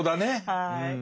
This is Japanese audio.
はい。